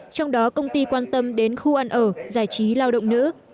trong đó công ty quan tâm đến khu ăn ở giải trí lao động nữ